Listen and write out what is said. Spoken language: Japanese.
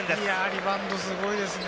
リバウンド、すごいですね。